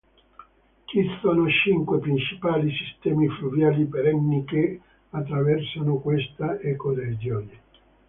Ci sono cinque principali sistemi fluviali perenni che attraversano questa ecoregione.